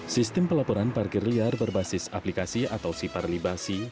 sistem pelaporan parkir liar berbasis aplikasi atau sipar libasi